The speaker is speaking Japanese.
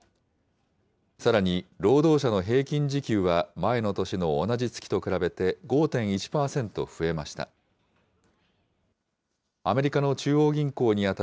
さらに、労働者の平均時給は前の年の同じ月と比べて５．１％増えました。